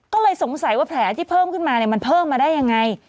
ก็เลยสงสัยว่าแผลที่เพิ่มขึ้นมามันเพิ่มมาได้ยังไง